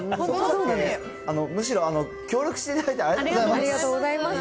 むしろ協力していただいて、ありがとうございます。